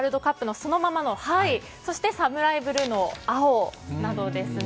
そのままの「杯」そしてサムライブルーの「青」などですね